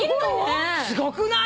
すごくない？